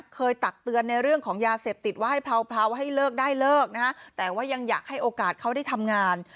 ตักเตือนในเรื่องของยาเสพติดว่าให้เผาให้เลิกได้เลิกนะฮะแต่ว่ายังอยากให้โอกาสเขาได้ทำงาน